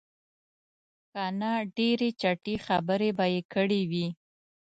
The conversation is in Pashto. که نه ډېرې چټي خبرې به یې کړې وې.